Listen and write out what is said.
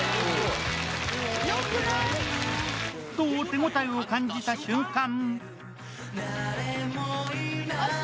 手応えを感じた瞬間